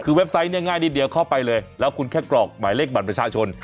คือเว็บไซต์เนี่ยง่ายนิดเดียวเข้าไปเลยแล้วคุณแค่กรอกหมายเลขบัตรประชาชน